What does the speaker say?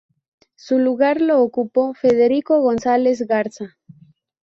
Su lugar lo ocupó Federico González Garza.